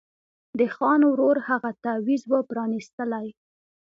د خان ورور هغه تعویذ وو پرانیستلی